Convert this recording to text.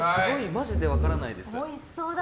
マジで分からないです。